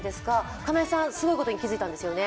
金井さん、すごいことに気づいたんですよね。